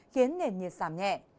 khiến nền nhiệt giảm nhẹ